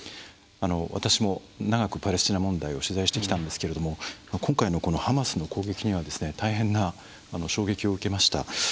私も長くパレスチナ問題を取材してきたんですけれども今回のこのハマスの攻撃には大変な衝撃を受けました。